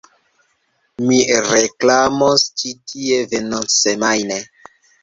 Mi reklamos ĉi tie venontsemajne